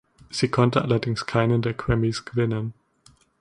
Sie konnte allerdings keinen der Grammys gewinnen.